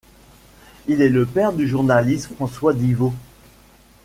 Il est le père du journaliste François Diwo.